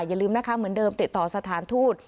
อย่าลืมนะคะเหมือนเดิมติดต่อสถานทูต